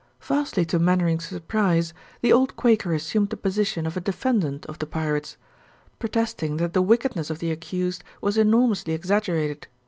Vastly to Mainwaring's surprise, the old Quaker assumed the position of a defendant of the pirates, protesting that the wickedness of the accused was enormously exaggerated.